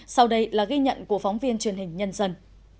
sau đây là ghi nhận của phóng viên truyền hình nhân dân